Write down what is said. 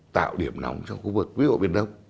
tạo điểm nóng cho khu vực quốc hội biển đông